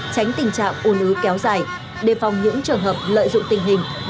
tránh tình trạng ôn ứ kéo dài đề phòng những trường hợp lợi dụng tình hình